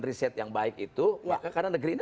riset yang baik itu maka karena negeri ini